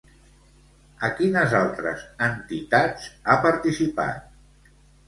A quines altres entitats ha participat?